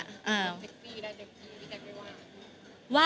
แบบเต็กตี้แบบเต็กตี้พี่แท็กไม่ว่า